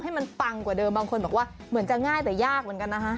ให้มันปังกว่าเดิมบางคนบอกว่าเหมือนจะง่ายแต่ยากเหมือนกันนะฮะ